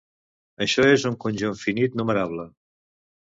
Això és un conjunt finit numerable.